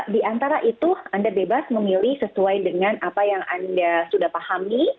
di antara itu anda bebas memilih sesuai dengan apa yang anda sudah pahami